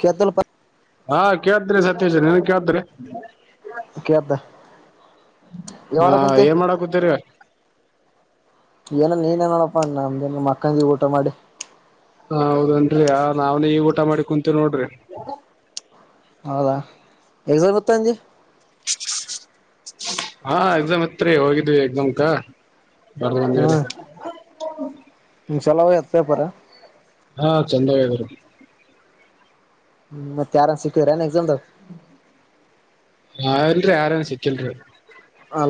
ಕೇತಲ್ ಪ ಹಾ ಕೇಳ್ದ್ರಿ ಸತೀೇ [unintelligible] [inaudible] ಶ್ನ್ ನೀಏನ್ ಕೇಳ್ದ್ರಿ ಕೇಳ್ದ [inaudible] ಯಾವಾಡ ಹಾ ಕುಂತಿ ಏನ್ ಮಾಡಾಕೂತರಿ. ಏನ ನೀನೇನೋಡಪ್ಪಾ ಅ ನಮ್ದ ಮಕ್ಕಂದ ಊಟ ಮಾಡಿ. ಹ -ಹೌದನ್ರರಿ- ಆ- ನಾವ್ನೆ ಈ ಊಟ ಮಾಡಿ ಕುಂತೀ ನೋಡ್ರಿ. ಹೌದಾ ಎಗ್ಸ ಗತ್ತ ಅಂಜಿ. ಹಾ- ಎಕ್ಸಾಮ್ ಹತ್ರಿ ಹೋಗಿದ್ವಿ ಎಕ್ಸಾಮ್ಕ. ಬಂದವರ [inaudible] ಚಲೋಯತ್ತು ಪೇಪರ [unintelligible] ಹಾ ಚಂದರು ಹ್ಮ್ ಮತ್ತೆ ಯಾರಾದ್ರೂ ಸಿಕ್ಕಿದ್ದೇನು ಎಕ್ಸಾಮ್ ದಾಗ ಹಾ ಇಲ್ರರಿ ಯಾರುನ್ ಸಿಕ್ಕಿಲ್ರಿ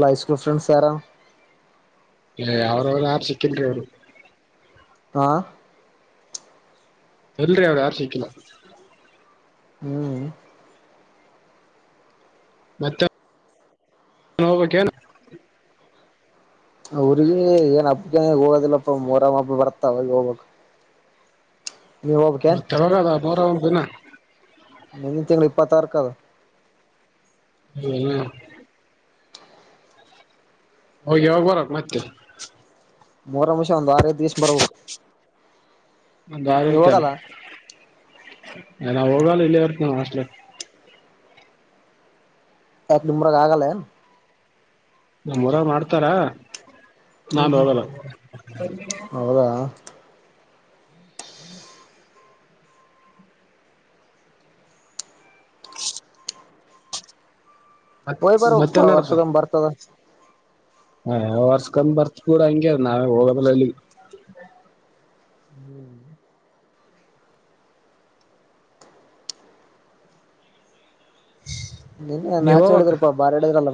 ಹೈ ಸ್ಕೂಲ್ ಫ್ರೆಂಡ್ಸ್ ಡ್ಸ್ ಯಾರಾನ ಏ ಅವ್ರ ಅವ ಯಾರ್ ಸಿಕ್ಕಿಲ್ರಿ ಅವರು ಹಾ ಎಲ್ರಿ ಅವರು ಯಾರು ಸಿಕ್ಕಲ ಹ್ಮ್ ಮತ್ತೆ ಹೋಗ್ಬೇಕು ಏನು ಅವ್ರಿಗೆ ಏನ ಅಪ್ಪಗನ ಹೋಗೋದಿಲ್ಲಪ್ಪ ಮರಮ್ಮಪ್ಪ ಬರ್ತ ಅವ ಹೋಗ್ಬೇಕಕ್ ನೀವು ಹೋಗಬಕ್ಕೆ ಮತ್ತೆ ಯಾವಾಗದ ಮೊಹರಂ ದಿನ [inaudible] ಮುಂದಿನ ತಿಂಳ ಇಪ್ಪತ್ತಾರು ಕ ಆದೆ ಹ್ಮ್ ಹ್ಮ್ ಹೋಗಿ ಯಾವಾಗ ಬರತ್ತ ಮತ್ತೆ ಮೂರು ನಿಮಿಷ ಒಂದು ಆರೈದು ದಿವಸ ಬರ್ಬೇಕು ಒಂದು ನೀವ್ ಆತಲ್ಲ ಹೋಗಲ್ಲ [inaudible] ಎಲ್ಲ ಹೋಗಾಲ ಇಲ್ಲವರ್ ಮಸ್ ಎ ನುಂಬರ ಆಗಲ್ಲ ನಮ್ಮ ಊರ ಮಾಡ್ತಾರ ಹ್ಮ್ ನಾಾನು ಹ್ಮ್ ಅದಲ್ಲ [inaudible] ಹೌದಾ ಮತ್ ಹೊಯ್ ಬರ್ಕ್ ಬ ಮತ್ತೇನ್ ವರ್ಷದ್ ಬರ್ತದ ಹಾವ ವರ್ಸ್ಕಂದ್ ಬರ್ತ್ ಕೂಡ ಹಂಗಗೆ ನಾವೇ ಹೋಗದ್ರ ಅಲ್ಲಿ ನೀನ್ ನೀವ್ ಮ್ಯಾಚ್ ಹೋಗ್ಬೇಕ್ ಹೇಳಡಿದ್ರಪ್ಪಾ ಬಾರಿ ಹಡಿದ್ರಲ್ಲ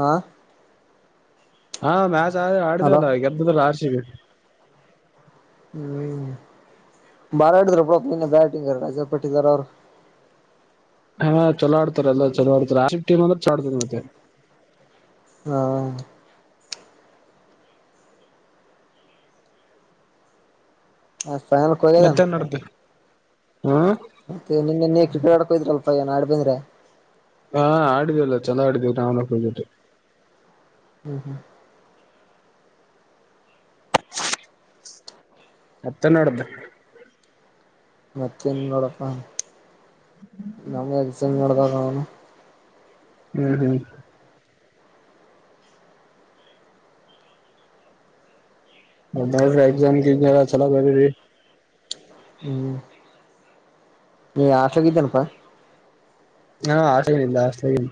ಹಾ ಹಾ ಮ್ಯಾಚ್ ಆದ್ರ ಹಲೋ ಆಡಿದ್ರಲ್ಲ ಗೆದ್ದದ್ರಲ್ಲ ಆರ್ಶಿವ ನೀನು ಬಾರಾಡಿದ್ರರು ಪ್ರಪ್ನ್ ಬ್ಯಾಟಿಂಗ್ ರಜೆ ಪಟ್ಟಿದಾರ ಅವರು ಹಾ ಚಲೋ ಆಡ್ತಾರೆ ಎಲ್ಲ ಚಲೋ ಆಡ್ತ ಟಮ್ ಅಂದ್ರ ಚಡ್ತ ಮತ್ತೆ ಹಾ ಹ ಮತ್ತೆ ಮಾಡತ ಹ್ಮ ಮತ್ತೆ ನಿನನ್ನ ಕ್ರಿಕೆಟ್ ಆಡ್ಕೋದ್ರಲ್ಪಾ ಏನ್ ಆಡ್ ಬಂದ್ರೆ ಹಾ ಆಡಿದೇಲ್ಲ ಚಂದ ಆಡಿದೇವಿ ನಾವ್ಬಿಟ್ಟು ಹ್ಮ್ ಹ್ಮ್ ಮತ್ತ ನೋಡ್ದ ಮತ್ತೆೇನ್ ನೋಡಪ್ಪ ನಮಸ ನೋಡ್ದಾಗ ಅವನು ಹ್ಮ್ ಹ್ಮ್ ದ ಎಾಮ ಜ ಚಲ ರೀ [inaudible] ಹ್ಮ್ ನೀ ಹಾಸ್ಟೆಲ್ ಆಗ ಎದ್ದೇನಪ್ಪ ಹಾ ಹಾಸ್ಟೆಲ್ ಗ್ ಇದ್ದೆ ಹಾಸ್ಟೆಲ್ ಆಗ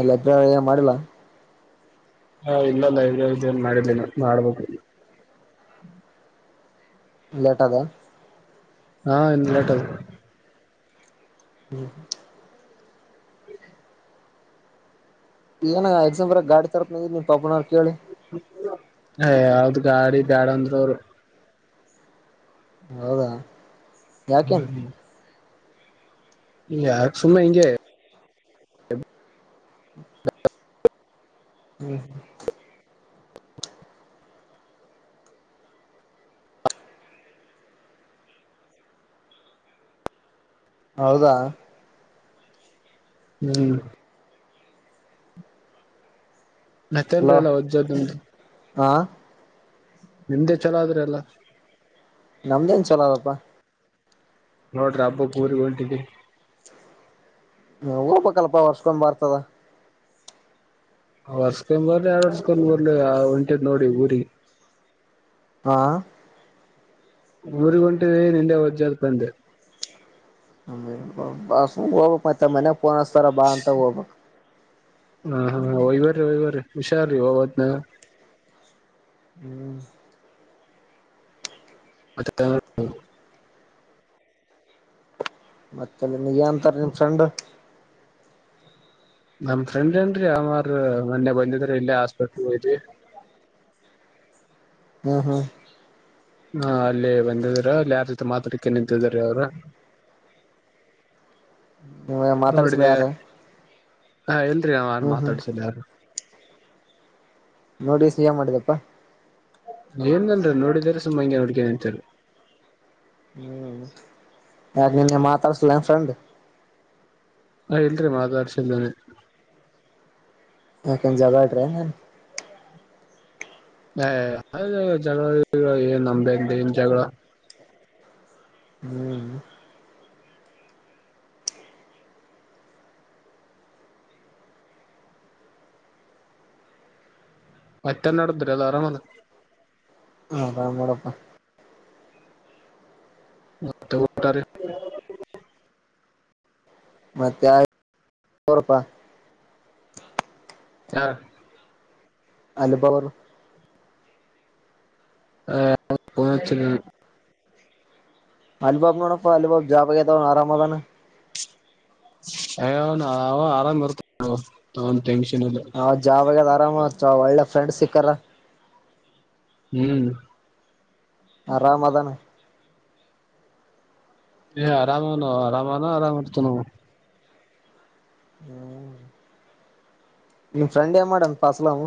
ಎಲ್ಲದ ಏ ಮಾಡಲ ಹಾ ಇಲ್ಲಲ್ಲ ಇ ಏನ್ ಮಾಡಿಲ್ಲಿಲ್ಲ ಮಾಡ್ಬೇಕ ಲೆಟ್ ಆದ ಹಾ ಇನ್ಲಟದು ಹ್ಮ್ ಹ್ಮ ಏನ ಎಕ್ಸಾಪಲ್ ಗಾಡಿ ತರತ್ ನೀನ್ ಪಾಪನವರು ಕೇಳಿ ಹ ಯಾವ್ದ್ ಗಾಡಿ ಬ್ಯಾಡ ಅಂದ್ರ ಅವರು ಹೌದಾ ಯಾಕೇನ್ ಹ್ಮ್ ಯಾರು ಸುಮ್ಮ ಇಂಗ ಹ್ಮ್ ಹ್ಮ್ ಹೌದಾ ಹ್ಮ್ ಮತ್ತೇನ್ರಿಲ್ಲ ವಜ್ಜದ್ದ ಆ ನಿಮ್ದೇ ಚಲೋ ಆದ್ರೆ ಅಲ್ಲ ನಮ್ದೇನ್ ಚಲೋದಪ್ಪಾ ನೋಡ್ರಿ ಹಬ್ಬಕ್ ಊರಿಗೆ ಹೊಂಟಿರಿ ಹೋಬಕ್ ಅಲ್ಲಪಾ ವರ್ಷಕೊಮ್ಮೆ ಬರ್ತದ ವರ್ಸ್ಕೊಂಡ್ ಬರ್ ಆಡ್ ವರ್ಸ್ಕೊಂಡ್ ಬರ್ಲಿ ಆ ಒಂಟದ ನೋಡಿ ಊರಿಗೆ ಹಾ ಊರಿಗೆ ಹೊಂಟಿಯ ಇಲ್ಲೇ ಹೊಜತ್ ಬಂದೆ ಹ ಬ ಸುಮ್ ಹೋಗಬಕ್ ಮತ್ತ ಮನ್ಯಾಗ ಪೋನ್ಸ್ತಾರ ಬಾ ಅಂತ ಹೋಗ್ಬಬೇಕ್ ಹಾ ಹಾ ಹೋಯ ಬರೀ ಹೋಯ ಬರೀ ಹುಷಾರ ರೀ ಹೋಬವತನ ಹ್ಮ್ ಅತ್ತ ಮತ್ತೆಲ್ಲ ನೀ ಏನಂತರ ನಿಮ್ ಫ್ರೆಂಡ್ ನಮ ಫ್ರೆಂಡ್ ಏನ್ರೀ ಅವ್ರ್ ಮೊನ್ನೆ ಬಂದಿದ್ರ ಇಲ್ಲೇ ಹಾಸ್ಪೆಟ್ಲ್ಯ ಹೋಗಿದೀವಿ ಹ್ಮ್ ಹ್ಮ್ ಹಾ ಅಲ್ಲಿ ಬಂದಿದೀರ ಅಲ್ಲಿ ಯಾರ ಜೊತೆ ಮಾತಾಡಕ್ಕೆ ನಿಂತಿದ್ರ ಅವ್ರ ನೀ ಮಾತಾಡಿಸಿಲ್ಲ ಯಾರ ಹಾ ಇಲ್ರಿ ಆವಾ ಹ್ಮ್ ಹ್ಮ್ ಮಾತಾಡ್ಸಿಲ್ಲ ಯಾರು ನೋಡಿ ಸಿ ಎ ಮಾಡಿದಪ್ಪಾ ಏನ್ನಲ್ರರಿ ನೋಡಿದವರಿ ಸುಮ್ಮ ಹಂಗೆ ನೋಡ್ಕ ಅಂತರಿ ಹ್ಮ್ ಯಾಕ್ ನಿನ್ನೆ ಮಾತಾಡ್ಸಲನ್ ಫ್ರೆಂಡ್ ಹ ಇಲ್ರಿ ಮಾತಾಡ್ಸಲ್ನನೆ ಯಾಕಂದ ಜಬಡ್ರಿನ್ ಹ ಅ ಜನ ಏನ್ ನಮ್ದ್ ಏನ್ ಜಗಳ ಹ್ಮ್ ಮತ್ತೆನ್ನ ಅಡದರ ಎಲ್ಲ ಆರಾಮದ ಆರಾಮ ನೋಡಪ್ಪ ಮತ್ತ ಗಟಾರೆ [unintelligible] ಮತ್ತೆ ಆರ ನೋಡಪಾ ಯಾರ್ ಅಲಿಪವರ್ ಹ ಫೋನ್ ಹಚ್ಚಿಲ ಅಲೂಬಾಬ ನೋಡಪ್ಪ ಅಲಿಬಾಬ ಜಾಬ್ ಆಗೇದ ಆರಾಮದನ ಹೇ ನಾವ ಆರಾಮ್ ಇರ್ತ ತ ಹ ಜಾಬ್ ಆಗ್ಯದ್ ಆರಾಮ್ ಒಳ್ಳೆ ಫ್ರೆಂಡ್ ಸಿಕ್ಕರ ಹ್ಮ್ ಆರಾಮದಾನ ಹೇ ಆರಾಮದನು ಆರಾಮಾದನು ಆರಾಮಇರತೇನು ಹ್ಮ್ ನಿನ್ ಫ್ರೆಂಡ ಏನ್ ಮಾಡನ್ ಪಸಲಾಮ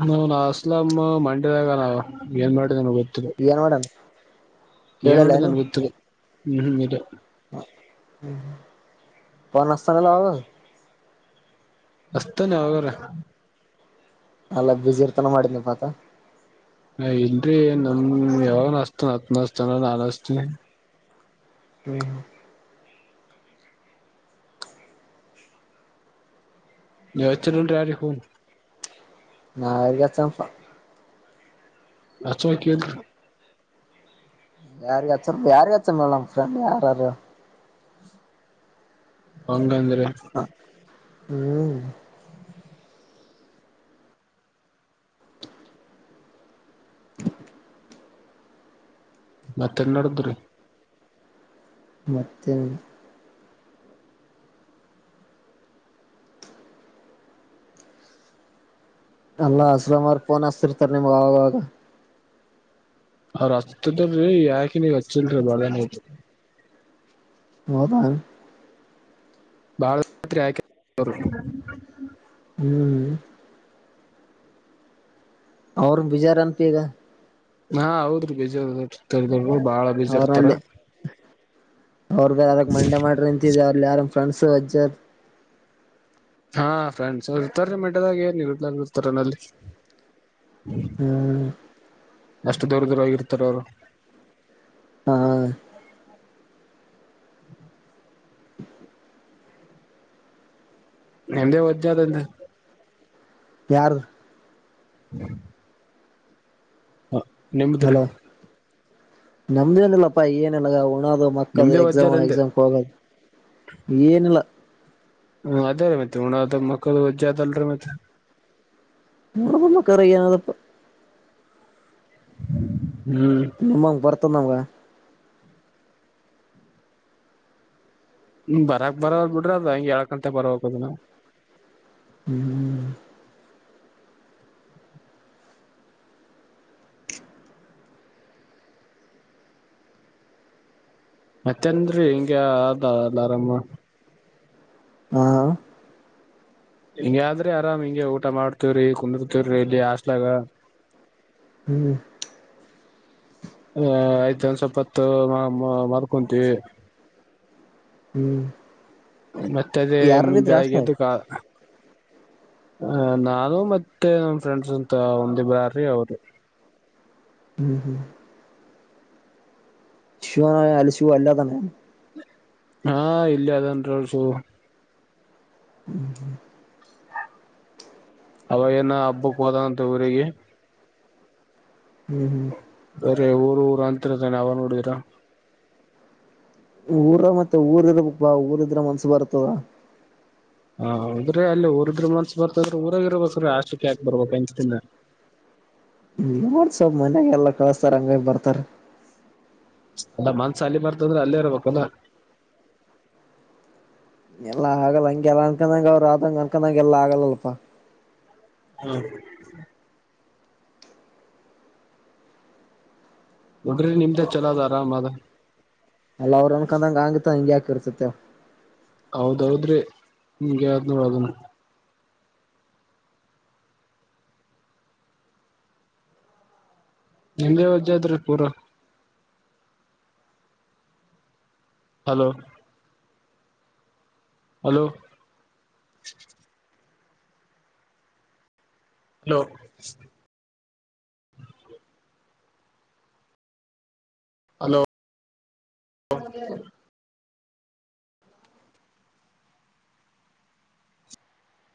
ಹ ನಾ ಅಸ್ಲಂ ಮಂಡ್ಯದಾಗ ಅದಾವ್ ಏನ್ ಮಾಡಿದ್ದೇ ನ ಗೊತ್ತ ಏನ್ ಮಾಡಣ ಏನ್ ಮಾಡುದು ನನ್ ಗೊತ್ತಿಲ್ಲ ಹ್ಮ್ ಹ್ಮ್ ಇದ ಹ್ಮ ಫೋನ್ ಹಚ್ಚತನ ಅವಾಗ್ ಅವಾಗ್ ಅಸ್ತನೆ ಯಾವಗರ ಎಲ್ಲ ಬ್ಯುಸಿ ಇರ್ತಾನ ಮಾಡಿದ್ನಿ ಆತ ಹ ಇಲರಿ ನಮ ಯಾವಾಗಸ್ತಾನ ಹತ್ ನಸ್ತಾನ ನಾನ್ ಹಸ್ತನಿ ಹ ಜೋಚಿಟ್ಟಕೂ ನಾಗಚ್ಚನ್ ಹಚ್ಚಬೇಕಿಲ ಯಾರ್ ಹತ್ತ ಯಾರ್ಗ ಹತ್ತ ಮೇಡಮ್ ಫ್ರೆಂಡ್ ಯಾರಾರು ಪಂಗದೇ ಹ ಹ್ಮ್ ಮತ್ತೆನ್ ನಡ್ದ್ರೀ ಮತ್ತೆನಿಲ್ಲ ಅಲ್ಲ ಅಸಲಮರ್ ಫೋನ್ ಹಸ್ತಿರ್ತರ್ ನಿಮ್ಗೆ ಆಾಗವಾಗ ಅವ್ರ ಹತ್ದರಿ ಯಾಕಿನಗ ಹಚ್ಚಲ್ರಿ ಬದ ಹೌದಾ ಬಳತ್ರಿ ಅಯ್ಕ ಹ್ಮ್ ಅವ್ರ ಬಿಜಿ ಹರಂತಿಗ ಹಾ ಹೌದ್ರಿ ಬೇಜಿತಲ್ ಬಾಳ ಬೇಜ ಇರ್ತಾರ ಅವ್ರಗ ಯಾರಕ್ ಮಂಡೆ ಮಾಡ್ರಿ ನಿಂತಿದ ಅವ್ರ ಯಾರ ಫ್ರಂಡ್ಸು ಅಜ್ಜ್ ಹಾ ಫ್ರೆಂಡ್ಸ್ ಅವ ಇರ್ತಾರೆ ಮಂಟದಾಗ ಏನ್ ನೀಡ್ ಇರ್ತಾರ ನಲ್ಲಿ ಹ್ಮ್ ಅಷ್ಟು ದೂರ ದೂರ ಆಗರ್ತಾರ ಅವರು ಹಾ ಎಂದೇ ಒಜ್ಜ ಅದಂತ ಯಾರ್ದ [inaudible] ಹಾ ನಿಮದ್ರೀ ನಮ್ದೇಏನಲ್ಲಪ್ಪಾ ಏನಲ್ಲ ನ್ನದು ಮಕ್ಕದು ನಿಮ್ದೇ ಎಕ್ಸಾಮ್ ವಜ್ಜಾದಂದೆ ಎಕ್ಸಾಮ್ ಹೋಗೋದು ಏನಿಲ್ಲ ಹ್ಮ ಅದೇ ರ ಮತ್ತೆ ಹಡದ ಮಕ್ಕಳ ವಜ್ಜ ಅದಲ್ರಿ ಮತ್ತೆ ಮರ್ಬನ್ನ ಕರಿಯಾನ ಅದಪ ಹ್ಮ್ ನಮ್ಮಂಗ ಬರ್ತದ ನಮ್ಗ ಹ್ಮ ಬರಕ್ ಬರ ಬಿಡ್ರಿ ಅದ ಹಗೆ ಎಏಳಕ್ ಗಂಟೆ ಬರದ ನಾವ ಹ್ಮ್ ಹ್ಮ ಮತ್ತನ್್ರೀ ಹಿಂಗ ಆದ ಅ ಆರಾಮ ಆ ಹಿಂಗ ಆದ್ರಿ ಆರಾಮ್ ಹಿಂಗೆ ಊಟ ಮಾಡ್ತೇವ್ರಿ ಕುಂದರ್ತೇವ್ರಿ ಇಲ್ಲಿ ಹಸ್ಲಾಗ ಹ್ಮ್ ಹ ಆಯ್ತ ಒಂದ ಸ್ವಪತ್ತು ಮರ್ಕೊಂತೀವಿ ಹ್ಮ್ ಮತ್ತ ಅದೇ ಯಾರಾರಿದ್ರ ಬೆಳಗ್ಗೆ ಅಸ್ಲಾಗ ಎದ್ದ ಕ ಹ ನಾನು ಮತ್ತೆ ನಮ ಫ್ರೆಂಡ್ಸ್ ಅಂತ ಒಂದಿಬರ್ರಿ ಅವರು ಹ್ಮ್ ಹ್ಮ್ ಶಿವನ ಅಲ್ಲಿ ಶಿವ ಅಲ್ಲಾ ತನ್ನೇ ಹಾ ಇಲ್ಲಿ ಅದನ್ಳ್ಸು [inaudible] ಅವಾಗೇಏನ ಹಬ್ಬಕ್ೋದಂತೆ ಊರಿಗೆ ಹ್ಮ್ ಹ್ಮ್ ಬೇರೆ ಊರು ಊರು ಅಂತರದನೆ ಅವ ನೋಡಿದರ ಊರ ಮತ್ತೆ ಊರ್ ಇರ್ಬೇಕ ಬಾ ಊರ ಇದ್ರ ಮನ್ಸು ಬರ್ತದ ಹ ಹೌದ್ರೆ ಅಲ್ಲಿ ಊರಿದ್ರರು ಮನ್ಸ ಬರ್ತದ್ರ ಊರಾಗ ಇರ್ಬೇಕ್ರೀ ಆಷ್ಟಕ್ಕೆ್ಯಾಕ ರ್ಬಬೇಕ ಅಂತಿನ ರಿ ನಾ [inaudible] ನೋಡ್ಸೊಪ ಮನ್ಯಾಗೆಲ್ಲ ಕಳಸ್ತಾರ ಹಂಗಾಗಿ ಬರ್ತಾರ. ಅಲ್ಲ ಮನ್ಸ ಅಲ್ಲಿ ಬರ್ತಂದ್ರೆ ಅಲ್ಲೆ ಇರ್ಬೇಕಲ್ಲ. ಎಲ್ಲಾ ಆಗಲ್ಲ ಹಂಗೆಲ್ಲ ಅನ್ಕೊಂಡಂಗ. ಅವ್ರು ಆದಂಗ ಅನ್ಕೊಂಡಂಗ ಎಲ್ಲ ಆಗಲ್ಲಲ್ಪ. ಹ್ಮ [inaudible] ಒಬ್ರಿ ನಿಮ್ದೇ ಚಲೋ ಅದಆರಾಮ್ ಅದ- ಅಲ್ಲ ಅವರು ಅಂನಕಂದಂಗ ಹಂಗಿತ್ತಂದರ ಹಿಂಗ್ಯಾಕ ಇರ್ತತೆ ಹೌದೌದ್ರೆ, ನಿಮ್ಗೆ ಯ [unintelligible] ನೂ ಅದನು ನಿಮೇಗ ವಜ್ಜಾದ್ರೀ ಪೂರಾ ಹಲೋ, -ಹಲೋ, ಹಲೋ,, ಹ [unintelligible]